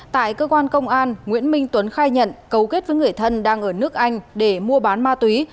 tại cơ quan công an nguyễn minh tuấn khai nhận cấu kết với người thân đang ở nước anh để mua bán ma túy